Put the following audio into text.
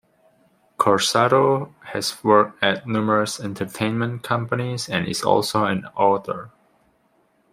Corsaro has worked at numerous entertainment companies and is also an author.